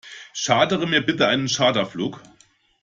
Chartere mir bitte einen Charterflug!